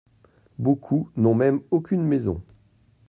Beaucoup n’ont même aucune maison.